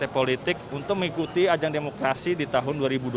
partai politik untuk mengikuti ajang demokrasi di tahun dua ribu dua puluh